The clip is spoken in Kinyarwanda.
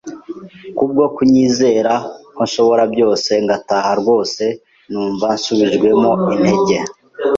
bwo kunyizera ko nshobora byose.” Ngataha rwose numva nsubijwemo intege.